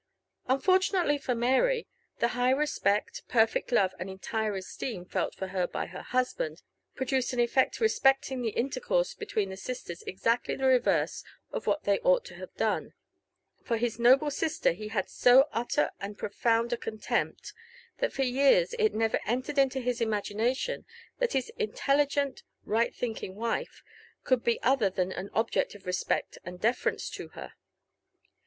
Unfortunately for Mary, the high respect, perfect love, and entire esteem felt for her by her husband produced an effect respecting the intercourse between the sisters exactly the reverse of what they ought to have done. For his noble sister he had so utter and profound a contempt, that for years it never entered into his imagination that hid Intelligent, right thinking wife could be other than an object of respect and deference to her.